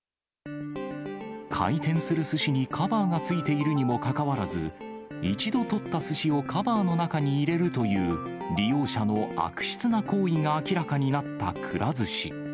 回転するすしにカバーがついているにもかかわらず、一度取ったすしをカバーの中に入れるという、利用者の悪質な行為が明らかになったくら寿司。